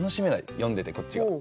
読んでてこっちが。